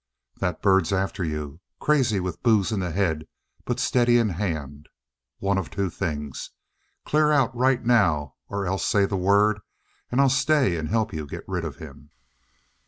"That bird's after you. Crazy with booze in the head, but steady in the hand. One of two things. Clear out right now, or else say the word and I'll stay and help you get rid of him."